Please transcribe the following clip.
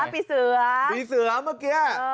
ปีเสือปีเสือเมื่อกี้